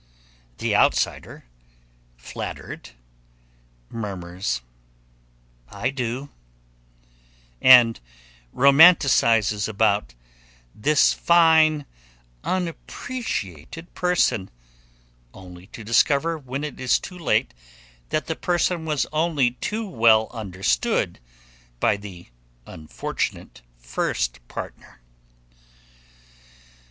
The outsider, flattered, murmurs, "I do," and romanticizes about "this fine, unappreciated person," only to discover when it is too late that the person was only too well understood by the unfortunate first partner.